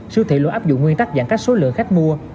siêu thị luôn áp dụng nguyên tắc giãn cách số lượng khách mua